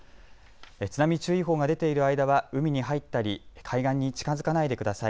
津波注意報が出ている間は海に入ったり海岸に近づかないでください。